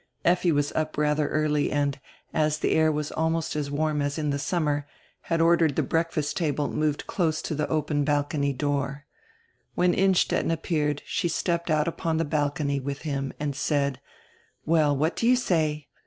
Effi was up rather early and, as die air was almost as warm as in the summer, had ordered die breakfast table moved close to die open balcony door. When Innstetten appealed she stepped out upon die balcony with him and said: "Well, what do you say?